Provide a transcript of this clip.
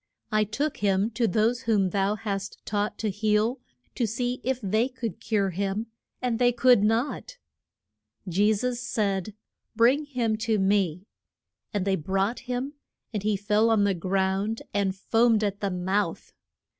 I took him to those whom thou hast taught to heal, to see if they could cure him; and they could not. Je sus said, Bring him to me. And they brought him; and he fell on the ground and foamed at the mouth.